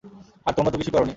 আর তোমরা তো কিছুই করোনি।